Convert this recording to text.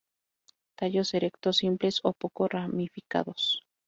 Tallos erectos, simples o poco ramificados.